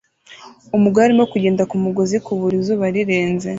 Umugore arimo kugenda kumugozi kubura izuba rirenze